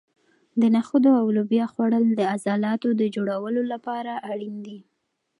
د نخودو او لوبیا خوړل د عضلاتو د جوړولو لپاره اړین دي.